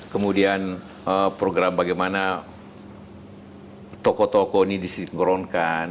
kemudian program bagaimana tokoh tokoh ini disinkronkan